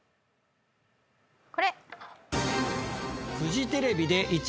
これ。